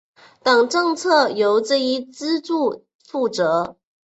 等政策由这一支柱负责。